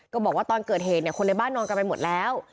บอกว่าตอนเกิดเหตุเนี่ยคนในบ้านนอนกันไปหมดแล้ว